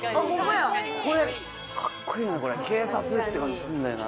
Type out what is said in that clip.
これカッコいいなこれ警察って感じすんだよな